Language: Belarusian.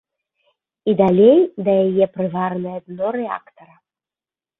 І далей да яе прываранае дно рэактара.